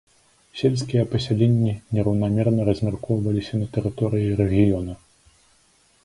Сельскія пасяленні нераўнамерна размяркоўваліся на тэрыторыі рэгіёна.